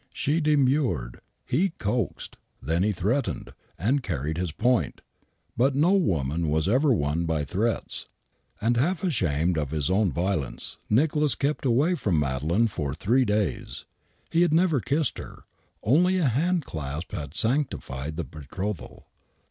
She demurred. He coaxed; then he threatened, and carried his point. But no woman was ever won by threats. And half ashamed of his own violence, Nicholas kept away from Madeleine for three days. He had never kissed her. Only a hand clasp had sanctified the betrothal.